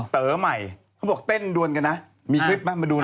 เต๋อใหม่เขาบอกเต้นดวนกันนะมีคลิปไหมมาดูนะ